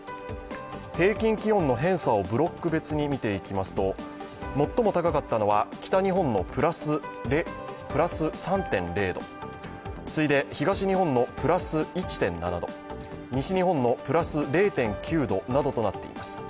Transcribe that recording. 平均気温の偏差をブロック別に見ていきますと、最も高かったのは北日本のプラス３．０度、次いで東日本のプラス１．７度、西日本のプラス０．９度などとなっています。